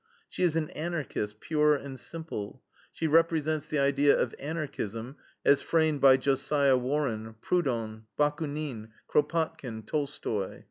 She is an Anarchist, pure and simple. She represents the idea of Anarchism as framed by Josiah Warrn, Proudhon, Bakunin, Kropotkin, Tolstoy.